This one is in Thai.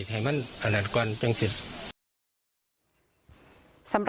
แล้วคุยกับลูกชายก็ได้